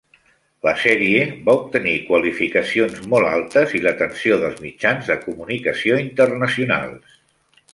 La sèrie va obtenir qualificacions molt altes i l'atenció dels mitjans de comunicació internacionals.